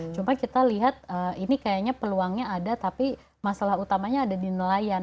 cuma kita lihat ini kayaknya peluangnya ada tapi masalah utamanya ada di nelayan